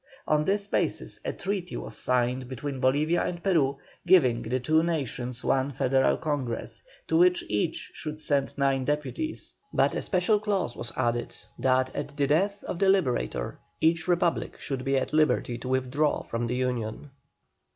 On this basis a treaty was signed between Bolivia and Peru, giving the two nations one Federal Congress, to which each should send nine deputies; but a special clause was added, that at the death of the Liberator each Republic should be at liberty to withdraw from the union.